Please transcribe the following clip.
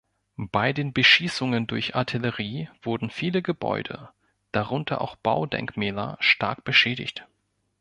Bei den Beschießungen durch Artillerie wurden viele Gebäude, darunter auch Baudenkmäler, stark beschädigt.